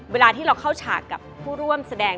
เวลาที่เราเข้าฉากกับผู้ร่วมแสดง